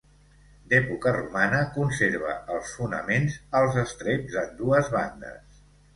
D'època romana, conserva els fonaments, als estreps d'ambdues bandes.